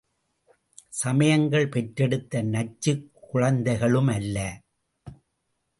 சமயங்கள் பெற்றெடுத்த நச்சுக் குழந்தைகளுமல்ல.